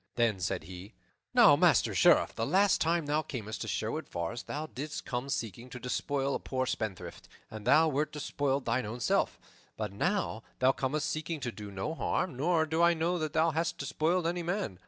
Then said he, "Now, Master Sheriff, the last time thou camest to Sherwood Forest thou didst come seeking to despoil a poor spendthrift, and thou wert despoiled thine own self; but now thou comest seeking to do no harm, nor do I know that thou hast despoiled any man.